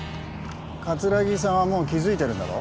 桂木さんはもう気づいてるんだろ？